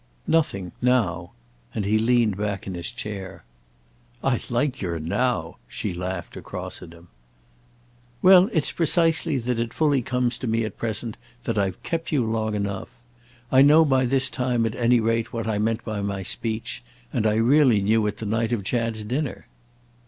"Nothing—now." And he leaned back in his chair. "I like your 'now'!" she laughed across at him. "Well, it's precisely that it fully comes to me at present that I've kept you long enough. I know by this time, at any rate, what I meant by my speech; and I really knew it the night of Chad's dinner."